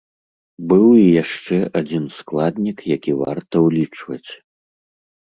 Быў і яшчэ адзін складнік, які варта ўлічваць.